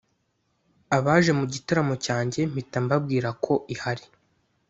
abaje mu gitaramo cyanjye mpita mbabwira ko ihari